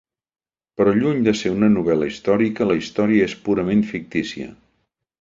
Però, lluny de ser una novel·la històrica, la història és purament fictícia.